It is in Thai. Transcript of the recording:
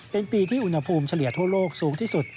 เป็นปีที่อุณหภูมิเฉลี่ยทั่วโลกสูงที่สุด